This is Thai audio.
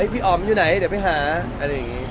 อ๋อมันอยู่ไหนเดี๋ยวไปหาอะไรอย่างนี้